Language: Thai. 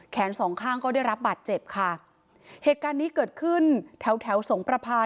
สองข้างก็ได้รับบาดเจ็บค่ะเหตุการณ์นี้เกิดขึ้นแถวแถวสงประพา